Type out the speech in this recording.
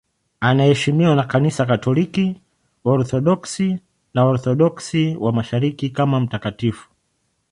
Anaheshimiwa na Kanisa Katoliki, Waorthodoksi na Waorthodoksi wa Mashariki kama mtakatifu.